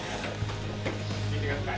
聞いてください。